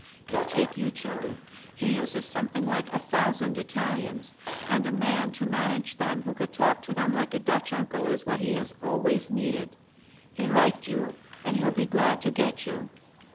He'll take you, too. He uses something like a thousand Italians, and a man to manage them who can talk to them like a Dutch uncle is what he has always needed. He liked you, and he'll be glad to get you."